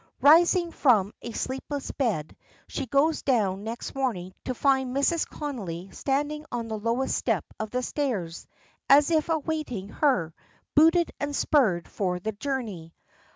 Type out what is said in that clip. Rising from a sleepless bed, she goes down next morning to find Mrs. Connolly standing on the lowest step of the stairs, as if awaiting her, booted and spurred for the journey.